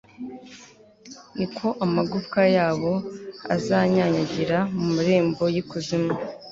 ni ko amagufwa yabo azanyanyagira mu marembo y'ikuzimu